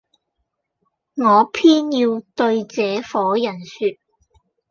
我偏要對這夥人説，